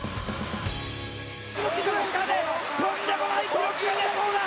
福岡でとんでもない記録が出そうだ！